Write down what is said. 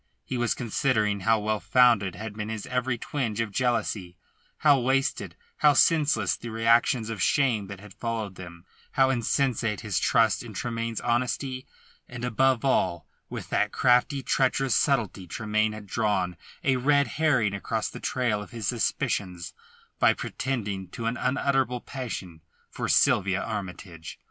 He was considering how well founded had been his every twinge of jealousy; how wasted, how senseless the reactions of shame that had followed them; how insensate his trust in Tremayne's honesty, and, above all, with what crafty, treacherous subtlety Tremayne had drawn a red herring across the trail of his suspicions by pretending to an unutterable passion for Sylvia Armytage.